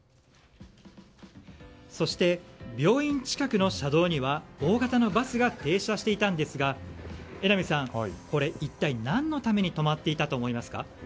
そして、病院近くの車道には大型のバスが停車していたんですが榎並さん、これ一体何のために止まっていたと思いますか？